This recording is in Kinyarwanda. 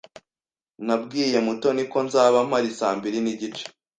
Nabwiye Mutoni ko nzaba mpari saa mbiri nigice.